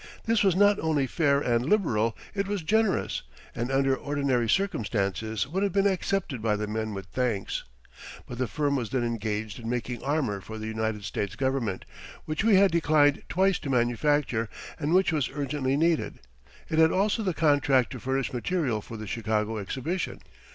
This was not only fair and liberal, it was generous, and under ordinary circumstances would have been accepted by the men with thanks. But the firm was then engaged in making armor for the United States Government, which we had declined twice to manufacture and which was urgently needed. It had also the contract to furnish material for the Chicago Exhibition.